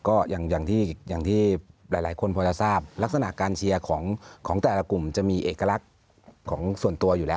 ก็อย่างที่หลายคนพอจะทราบลักษณะการเชียร์ของแต่ละกลุ่มจะมีเอกลักษณ์ของส่วนตัวอยู่แล้ว